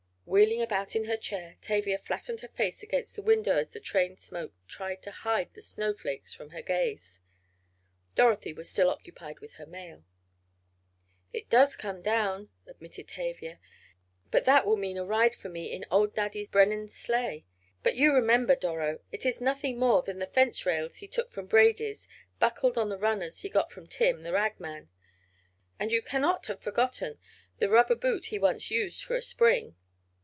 Wheeling about in her chair, Tavia flattened her face against the window as the train smoke tried to hide the snowflakes from her gaze. Dorothy was still occupied with her mail. "It does come down," admitted Tavia, "but that will mean a ride for me in old Daddy Brennen's sleigh. He calls it a sleigh, but you remember, Doro, it is nothing more than the fence rails he took from Brady's, buckled on the runners he got from Tim, the ragman. And you cannot have forgotten the rubber boot he once used for a spring."